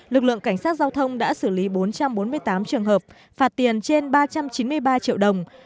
lực lượng cảnh sát giao thông đã xử lý bốn trăm bốn mươi tám trường hợp phạt tiền trên ba trăm chín mươi ba triệu đồng